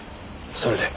それで？